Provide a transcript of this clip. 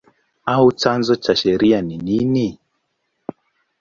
au chanzo cha sheria ni nini?